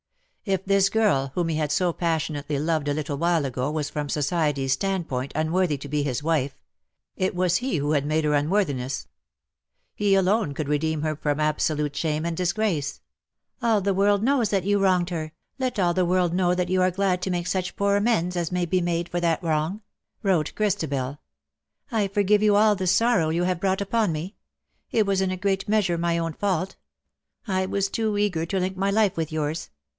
If this girl whom he had so passion ately loved a little while ago was from society^s standpoint unworthy to be his wife — it was he who had made her unworthiness — he who alone could redeem her from absolute shame and disgrace. " All the world knows that you wronged her, let all the world know that you are glad to make such poor amends as may be made for that wrong/^ wrote Christabel. " I forgive you all the sorrow you have brought upon me : it was in a great measure my own fault. I was too eager to link my life with yours.